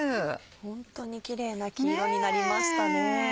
ホントにキレイな黄色になりましたね。